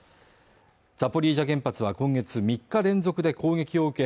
ザポリージャ原発は今月３日連続で攻撃を受け